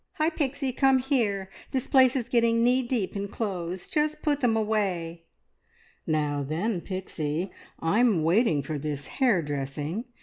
"Hi, Pixie, come here! This place is getting knee deep in clothes. Just put them away." "Now then, Pixie. I'm waiting for this hair dressing!